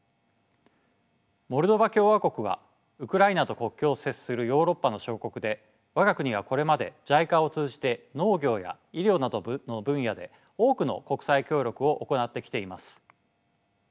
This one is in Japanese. モルドバ共和国はウクライナと国境を接するヨーロッパの小国で我が国はこれまでＪＩＣＡを通じて農業や医療などの分野で多くの国際協力を行ってきています。